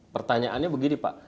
pertanyaannya begini pak